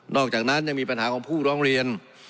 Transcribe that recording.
อกจากนั้นยังมีปัญหาของผู้ร้องเรียน